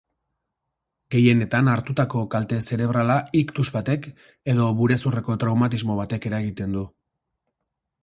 Gehienetan, hartutako kalte zerebrala iktus batek edo burezurreko traumatismo batek eragiten du.